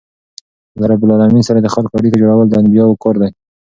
له رب العالمین سره د خلکو اړیکه جوړول د انبياوو کار دئ.